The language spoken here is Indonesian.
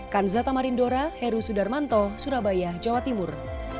kan zatamarindora heru sudarmanto surabaya jawa timur